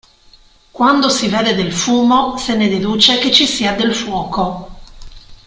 Quando si vede del fumo, se ne deduce che ci sia del fuoco.